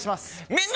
みんな！